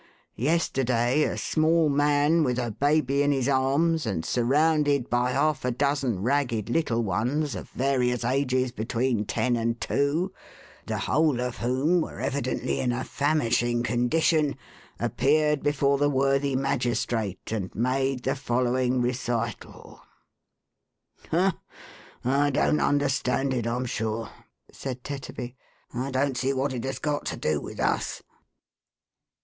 Yesterday a small man, with a baby in his arms, and surrounded by half a dozen ragged little ones, of various ages between ten and two, the whole of whom were evidently in a famishing condition, appeared before the worthy magistrate, and made the following recital :'— Ha ! I don't understand it, I'm sure," said Tetterby; "I don't see what it has got to do with us."